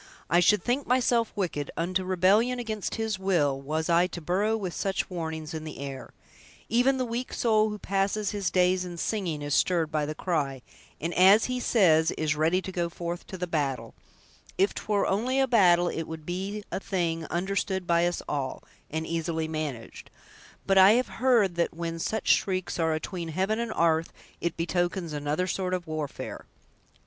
I should think myself wicked, unto rebellion against His will, was I to burrow with such warnings in the air! Even the weak soul who passes his days in singing is stirred by the cry, and, as he says, is 'ready to go forth to the battle' If 'twere only a battle, it would be a thing understood by us all, and easily managed; but I have heard that when such shrieks are atween heaven and 'arth, it betokens another sort of warfare!"